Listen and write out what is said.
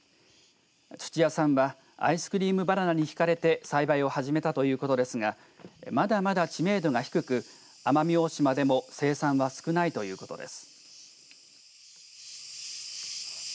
土屋さんはアイスクリームバナナにひかれて栽培を始めたということですがまだまだ知名度が低く奄美大島でも生産は少ないということです。